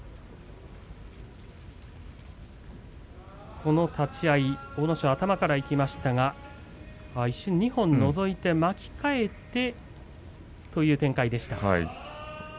この立ち合い阿武咲は頭からいきましたが一瞬、二本のぞいて巻き替えてという展開でした。